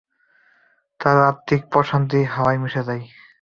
তার আত্মিক প্রশান্তি হাওয়ায় মিশে যায়।